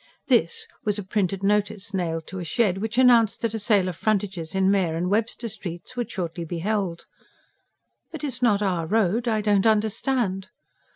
"This" was a printed notice, nailed to a shed, which announced that a sale of frontages in Mair and Webster Streets would shortly be held. "But it's not our road. I don't understand."